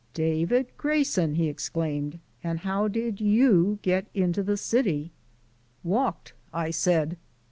"David Grayson!" he exclaimed, "and how did YOU get into the city?" "Walked," I said.